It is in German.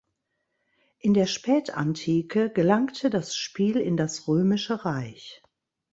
In der Spätantike gelangte das Spiel in das Römische Reich.